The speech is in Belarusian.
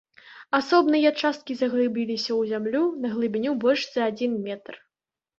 Асобныя часткі заглыбіліся ў зямлю на глыбіню больш за адзін метр.